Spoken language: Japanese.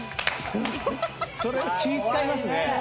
それは気ぃ使いますね。